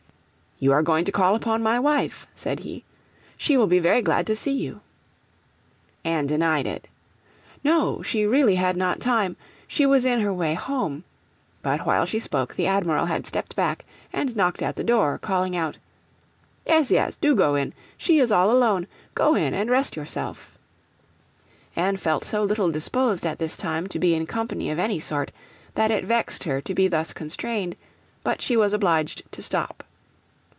'You are going to call upon my wife,' said he. 'She will be very glad to see you.' Anne denied it. 'No! she really had not time, she was in her way home;' but while she spoke the Admiral had stepped back and knocked at the door, calling out, 'Yes, yes; do go in; she is all alone; go in and rest yourself.' Anne felt so little disposed at this time to be in company of any sort, that it vexed her to be thus constrained, but she was obliged to stop.